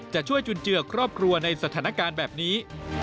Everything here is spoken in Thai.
จะช่วยจุนเจือครอบครัวในสถานการณ์แบบนี้